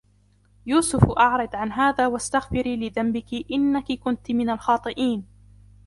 يوسف أعرض عن هذا واستغفري لذنبك إنك كنت من الخاطئين